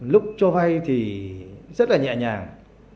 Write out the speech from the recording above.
lúc cho vay thì rất là nhẹ nhàng